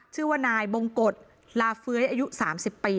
ชื่อว่านายบงกฎลาเฟ้ยอายุ๓๐ปี